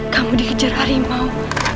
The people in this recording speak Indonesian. kamu dikejar harimau